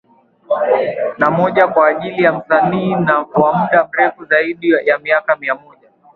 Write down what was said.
Na moja kwa ajili ya Msanii wa mda mrefu zaidi ya miaka mia moja